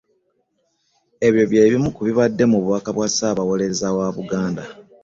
Ebyo bye bimu ku bibadde mu bubaka bwa Ssaabawolereza wa Buganda